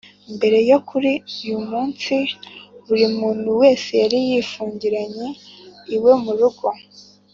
mbere yo kuri uyu munsi, buri muntu wese yari yifungiranye iwe mu rugo